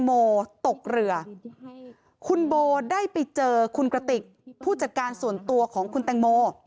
เป็นส่วนตัวของคุณตังโม